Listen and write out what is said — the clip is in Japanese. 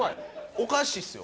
おかしいですよ。